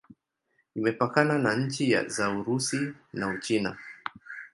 Imepakana na nchi za Urusi na Uchina.